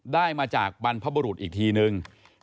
ได้มาจากบรรพบุรุษอีกทีนึง